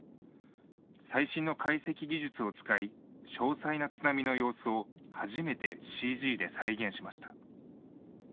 最新の解析技術を使い詳細な津波の様子を初めてＣＧで再現しました。